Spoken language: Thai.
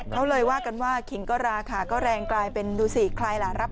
เขาเลยว่ากันว่าขิงก็ราคาก็แรงกลายเป็นดูสิใครล่ะรับ